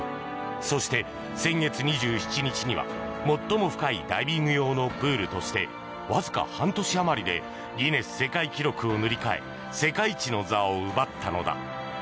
そして、先月２７日には最も深いダイビング用のプールとしてわずか半年あまりでギネス世界記録を塗り替え世界一の座を奪ったのだ。